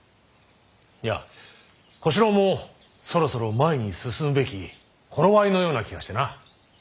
いや小四郎もそろそろ前に進むべき頃合いのような気がしてな。